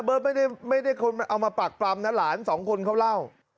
ไม่ได้คนเอามาปากปรำนะหลานสองคนเขาเล่า